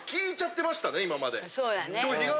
そうやね。